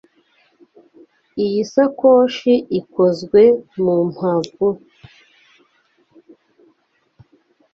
Iyi sakoshi ikozwe mu mpapuro.